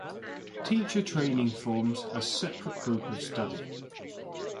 Teacher training forms a separate group of study.